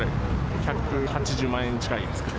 １８０万円近いですかね。